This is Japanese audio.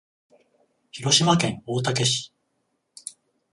広島県大竹市